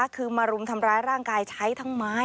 คือมารุมทำร้ายร่างกายใช้ทั้งไม้